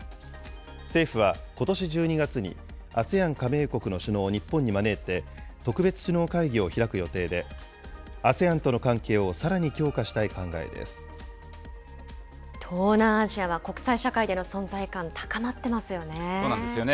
政府はことし１２月に、ＡＳＥＡＮ加盟国の首脳を日本に招いて、特別首脳会議を開く予定で、ＡＳＥＡＮとの関係をさらに強化した東南アジアは国際社会での存そうなんですよね。